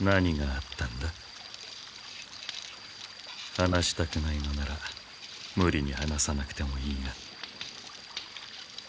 話したくないのならムリに話さなくてもいいが。